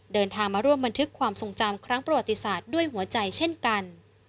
เดินทางมาร่วมบันทึกความทรงจำครั้งประวัติศาสตร์ด้วยหัวใจเช่นกัน